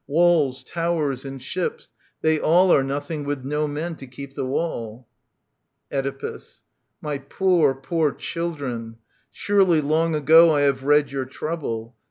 Walls, towers, and ships, they all Arc nothing with no men to keep the wall. Oedipus. My poor, poor children I Surely long ago I have read your trouble.